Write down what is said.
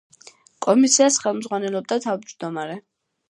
კომისიას ხელმძღვანელობდა თავმჯდომარე.